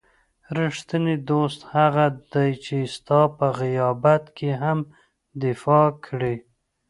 رښتینی دوست هغه دی چې ستا په غیابت کې هم دفاع کړي.